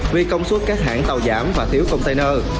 vì công suất các hãng tàu giảm và thiếu container